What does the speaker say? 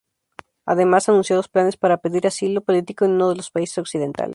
Además, anunció los planes para pedir asilo político en uno de los países occidentales.